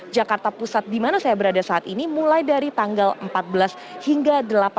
jakarta pusat di mana saya berada saat ini mulai dari tanggal empat belas hingga delapan belas